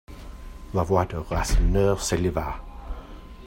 La voix de Rasseneur s'éleva.